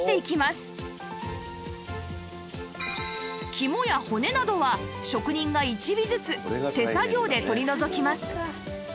肝や骨などは職人が１尾ずつ手作業で取り除きます